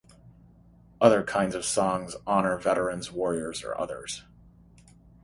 Other kinds of songs honor veterans, warriors or others.